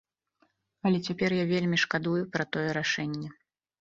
Але цяпер я вельмі шкадую пра тое рашэнне.